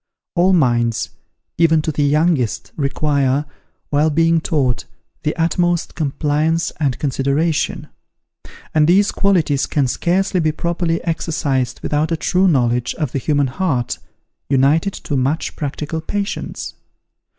All minds, even to the youngest, require, while being taught, the utmost compliance and consideration; and these qualities can scarcely be properly exercised without a true knowledge of the human heart, united to much practical patience.